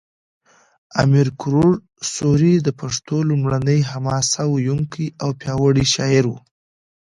امیر کروړ سوري د پښتو لومړنی حماسه ویونکی او پیاوړی شاعر و